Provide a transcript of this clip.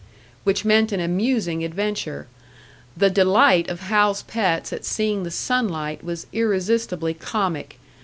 Which meant an amusing adventure. The delight of Hal's pets at seeing the sunlight was irresistibly comic.